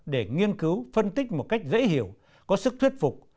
để nghiên cứu phân tích một cách dễ hiểu có sức thuyết phục